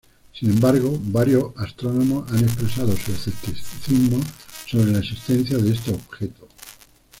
Sin embargo, varios astrónomos han expresado su escepticismo sobre la existencia de este objeto..